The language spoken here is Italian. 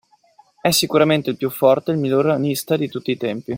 È sicuramente il più forte e il miglior ranista di tutti i tempi.